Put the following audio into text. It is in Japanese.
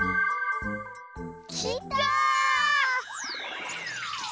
きた！